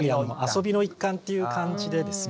遊びの一環っていう感じでですね。